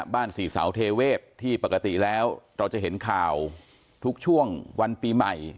สี่เสาเทเวศที่ปกติแล้วเราจะเห็นข่าวทุกช่วงวันปีใหม่